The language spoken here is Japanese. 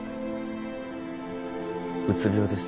うつ病です。